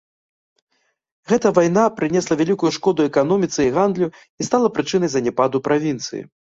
Гэта вайна прынесла вялікую шкоду эканоміцы і гандлю і стала прычынай заняпаду правінцыі.